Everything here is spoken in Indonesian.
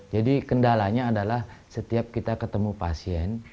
jadi kendalanya adalah setiap kita ketemu pasien